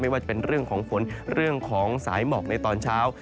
ว่าจะเป็นเรื่องของฝนเรื่องของสายหมอกในตอนเช้า